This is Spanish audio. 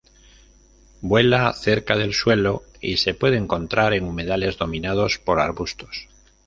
Vuela cerca del suelo y se puede encontrar en humedales dominados por arbustos.